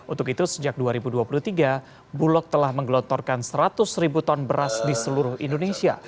untuk itu sejak dua ribu dua puluh tiga bulog telah menggelontorkan seratus ribu ton beras di seluruh indonesia